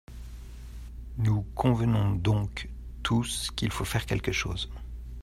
Nous convenons donc tous qu’il faut faire quelque chose.